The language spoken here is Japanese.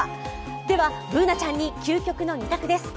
では、Ｂｏｏｎａちゃんに究極の２択です。